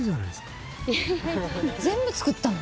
全部造ったの？